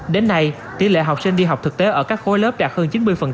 đến nay tỷ lệ học sinh đi học thực tế ở các khối lớp đạt hơn chín mươi